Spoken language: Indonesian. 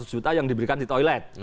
lima ratus juta yang diberikan di toilet